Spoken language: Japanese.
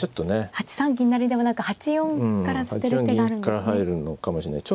８三銀成では何か８四から捨てる手があるんですね。